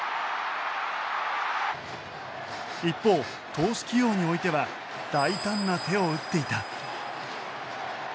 一方投手起用においては大胆な手を打っていた。